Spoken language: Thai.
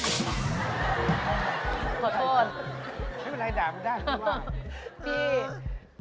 ไม่เป็นไรด่าไม่ได้รู้มั้ย